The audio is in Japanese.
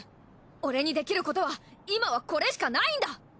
俺にできることは今はこれしかないんだ！